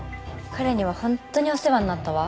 彼には本当にお世話になったわ。